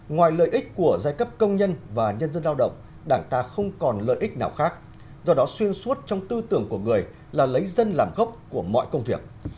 ngoài lợi ích của giai cấp công nhân và nhân dân lao động đảng ta không còn lợi ích nào khác do đó xuyên suốt trong tư tưởng của người là lấy dân làm gốc của mọi công việc